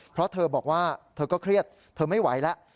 เพราะเธอบอกว่าเธอก็เครียดเธอไม่ไหวแล้ว